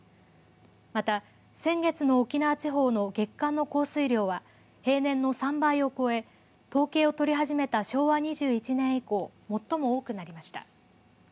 また先月の沖縄地方の月間の降水量は平年の３倍を超え統計を取り始めた昭和２１年以降、最も多くなりました。